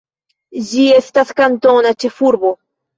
Ĝi estas kantona ĉefurbo.